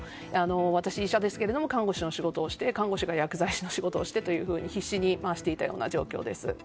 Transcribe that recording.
私は医師ですが看護師の仕事をして看護師が薬剤師の仕事をしてというふうに必死にしていた状況です。